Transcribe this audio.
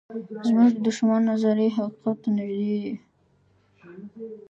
زموږ د دښمن نظریې حقیقت ته نږدې دي.